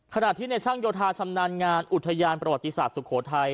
ขณะที่ในช่างโยธาชำนาญงานอุทยานประวัติศาสตร์สุโขทัย